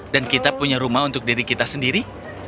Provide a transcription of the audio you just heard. dan kita punya rumah untuk diri kita sendiri